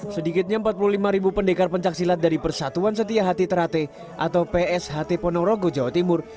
sedikitnya empat puluh lima ribu pendekar pencaksilat dari persatuan setia hati terate atau psht ponorogo jawa timur